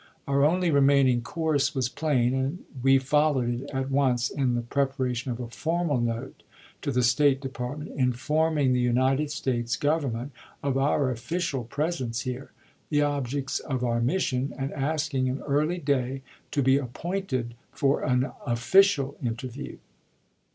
Our only remaining course was plain, and we followed it at once in the prep aration of a formal note to the State Department inform ing the United States Government of our official presence here, the objects of our mission, and asking an early day to be appointed for an official interview.